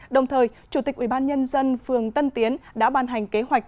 đồng thời chủ tịch ubnd phường tân tiến đã ban hành kế hoạch